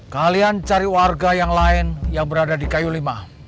kalian cari warga yang lain yang berada di kayu lima